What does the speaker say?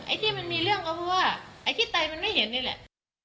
ที่มันมีเรื่องก็เพราะว่าไอ้ที่ไตมันไม่เห็นนี่แหละ